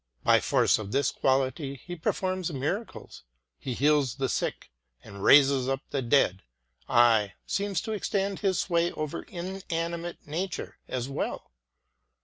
By force of this quality, he performs mira cles, he heals the sick and raises up the dead, aye, seems to extend his sway over inanimate nature as "w^ell.